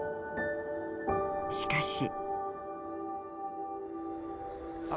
しかし。